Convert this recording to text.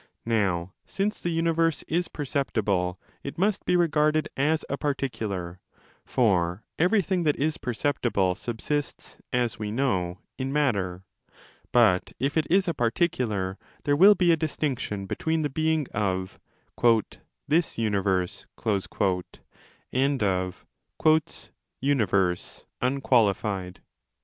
Now since the universe is per ~ ceptible it must be regarded as a particular; for every thing that is perceptible subsists, as we know, in matter. But if it is a particular, there will be a distinction between the being of 'this universe' and of 'universe' unqualified.